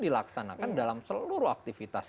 dilaksanakan dalam seluruh aktivitas